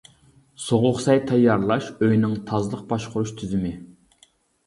سوغۇق سەي تەييارلاش ئۆيىنىڭ تازىلىق باشقۇرۇش تۈزۈمى.